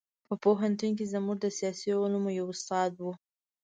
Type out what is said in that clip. په پوهنتون کې زموږ د سیاسي علومو یو استاد و.